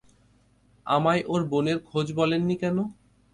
আমায় ওর বোনের খোঁজ বলেননি কেন?